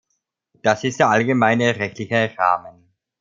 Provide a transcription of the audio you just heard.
Das ist der allgemeine rechtliche Rahmen.